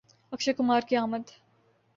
اکشے کمار کی آمد